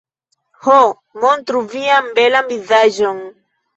Ho... montru vian belan vizaĝon